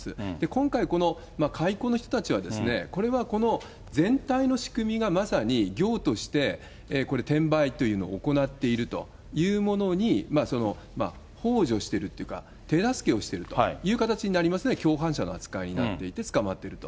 今回、この買い子の人たちは、これは、この全体の仕組みが、まさに業として、これ、転売というのを行っているというものにほう助してるっていうか、手助けをしてるという形になりますね、共犯者の扱いになって、捕まってると。